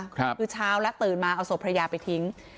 คือเช้าและตื่นมาเอาศพภรรยาไปทิ้ง